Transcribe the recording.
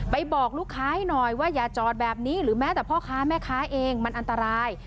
บอกลูกค้าให้หน่อยว่าอย่าจอดแบบนี้หรือแม้แต่พ่อค้าแม่ค้าเองมันอันตราย